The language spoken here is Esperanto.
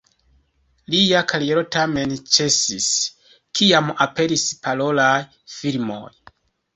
Lia kariero tamen ĉesis, kiam aperis parolaj filmoj.